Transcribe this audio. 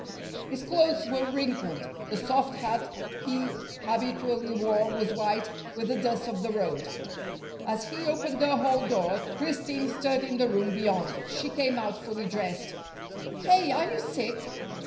His clothes were wrinkled; the soft hat he habitually wore was white with the dust of the road. As he opened the hall door, Christine stirred in the room beyond. She came out fully dressed. "K., are you sick?"